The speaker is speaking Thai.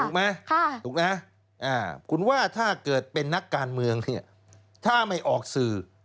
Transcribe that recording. ถูกไหมถูกนะคุณว่าถ้าเกิดเป็นนักการเมืองเนี่ยถ้าไม่ออกสื่อ